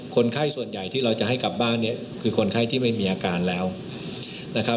คนไข้ส่วนใหญ่ที่เราจะให้กลับบ้านเนี่ยคือคนไข้ที่ไม่มีอาการแล้วนะครับ